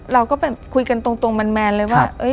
เราก็แบบคุยกันตรงแมนเลยว่า